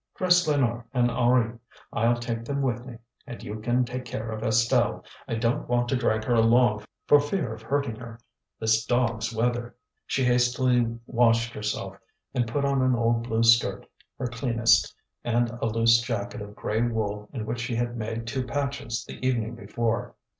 Dress Lénore and Henri, I'll take them with me; and you can take care of Estelle; I don't want to drag her along for fear of hurting her, this dog's weather." She hastily washed herself and put on an old blue skirt, her cleanest, and a loose jacket of grey wool in which she had made two patches the evening before.